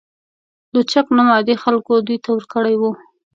لوچک نوم عادي خلکو دوی ته ورکړی و.